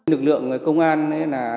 nực lượng công an